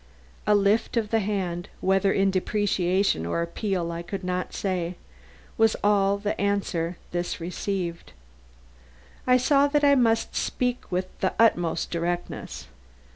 A lift of the hand, whether in deprecation or appeal I could not say, was all the answer this received. I saw that I must speak with the utmost directness.